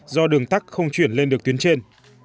do đường tắc không chuyển lên được tuyến trên